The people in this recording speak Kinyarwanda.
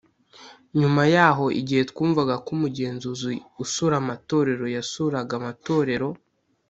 Nyuma yaho igihe twumvaga ko umugenzuzi usura amatorero yasuraga amatorero